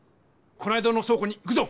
この間のそう庫に行くぞ！